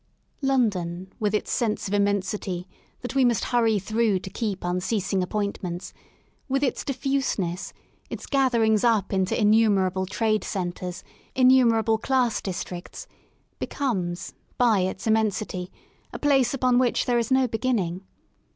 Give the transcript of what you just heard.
London, with its sense of immensity that we must hurry through to keep unceasing appointments, with its diffuseness, its gatherings up into innumerable trade centres, innumerable class districts, becomes by its immensity a place upon which there is no beginning.